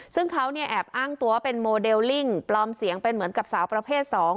ซึ่งเขาเนี่ยแอบอ้างตัวเป็นโมเดลลิ่งปลอมเสียงเป็นเหมือนกับสาวประเภท๒